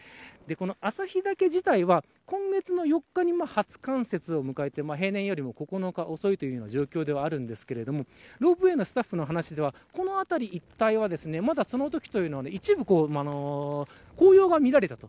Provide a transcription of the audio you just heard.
旭岳自体は今月の４日に初冠雪を迎えて平年よりも９日遅い状況ではありますがロープウエーのスタッフの話ではこの辺り一帯はまだ、そのときは一部紅葉が見られたと。